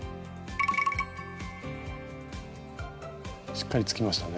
しっかりつきましたね。